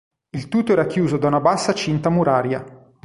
Il tutto è racchiuso da una bassa cinta muraria.